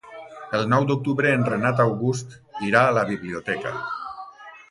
El nou d'octubre en Renat August irà a la biblioteca.